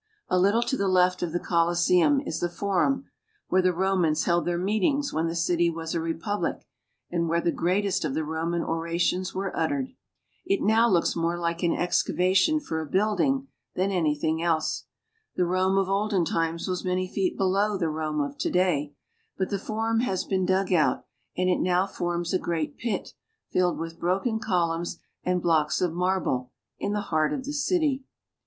A little to the left of the Coliseum is the Forum, where the Romans held their meetings when the city was a republic, and where the greatest of the Roman orations were uttered. It now looks more like an exca 414 ITALY. vation for a building than anything else. The Rome of olden times was many feet below the Rome of to day, but the Forum has been dug out, and it now forms a great pit, filled with broken columns and blocks of marble, in the heart of the city.